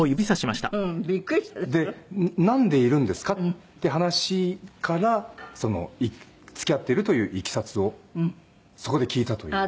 「なんでいるんですか？」って話から付き合ってるといういきさつをそこで聞いたという。